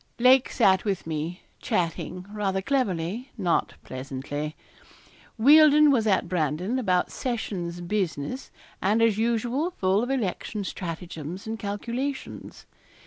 Lake sat with me chatting, rather cleverly, not pleasantly. Wealdon was at Brandon about sessions business, and as usual full of election stratagems and calculations.